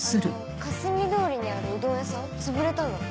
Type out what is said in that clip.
霞通りにあるうどん屋さんつぶれたんだって。